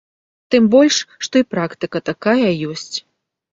Тым больш, што і практыка такая ёсць.